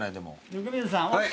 温水さん。